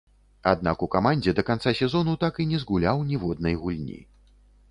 Аднак у камандзе да канца сезону так і не згуляў ніводнай гульні.